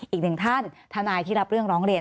อีกหนึ่งท่านทนายที่รับเรื่องร้องเรียน